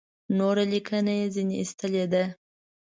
نوره لیکنه یې ځنې ایستلې ده.